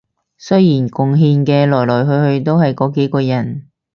雖然貢獻嘅來來去去都係嗰幾個人